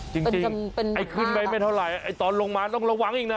จริงไอ้ขึ้นไปไม่เท่าไหร่ไอ้ตอนลงมาต้องระวังอีกนะ